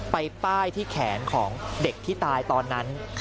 ไปป้ายที่แขนของเด็กที่ตายตอนนั้น